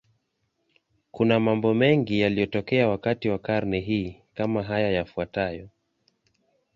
Kuna mambo mengi yaliyotokea wakati wa karne hii, kama haya yafuatayo.